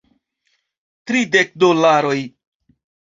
Tridek dolaroj